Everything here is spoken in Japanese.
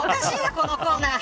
このコーナー。